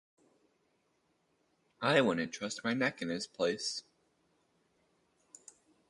I wouldn't trust my neck in his place.